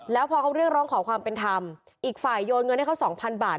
แล้วพอเขาเรียกร้องขอความเป็นธรรมอีกฝ่ายโยนเงินให้เขาสองพันบาท